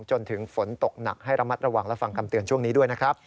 จนถึงฝนตกหนักให้ระมัดระวังและฟังคำเตือนช่วงนี้ด้วยนะครับ